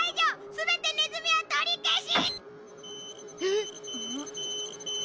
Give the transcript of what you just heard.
「すべてネズミ」は取り消し！